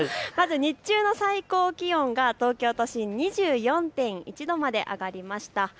日中の最高気温、東京の都心２４．１度まで上がりました。